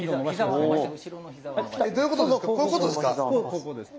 こういうことですか？